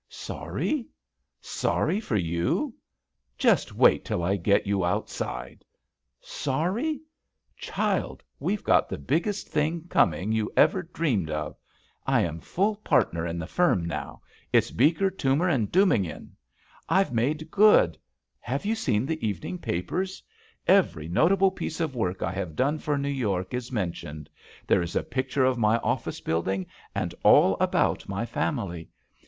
"Sorry ? Sorry for you ? Just wait till I get you outside. Sorry? Child, we've got the biggest thing coming you ever dreamed of 1 I am fuU partner in the firm now. It's Beeker, Toomer & Dubignon. I've made good I Have you seen the evening papers? Every notable piece of work I have done for New York is mentioned; there is a picture of my office building, and all about my family.